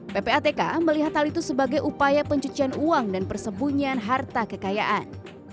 ppatk melihat hal itu sebagai upaya pencucian uang dan persembunyian harta kekayaan